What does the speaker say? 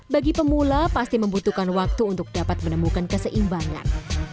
bagi pemula pasti membutuhkan waktu untuk dapat menemukan keseimbangan